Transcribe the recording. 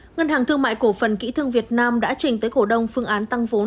ngân hàng thương mại cổ phần kỹ thương việt nam đã trình tới cổ đông phương án tăng vốn